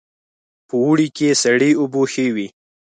په اوړي کې سړې اوبه ښې وي